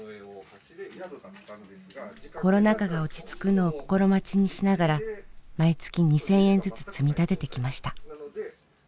コロナ禍が落ち着くのを心待ちにしながら毎月２，０００円ずつ積み立ててきました。